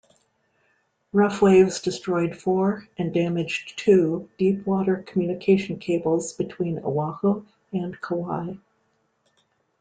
Rough waves destroyed four and damaged two deep-water communication cables between Oahu and Kauai.